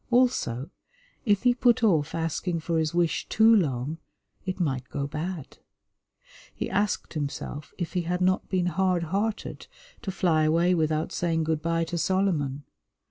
Also, if he put off asking for his wish too long it might go bad. He asked himself if he had not been hardhearted to fly away without saying good bye to Solomon.